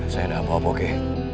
saya enggak apa apa oke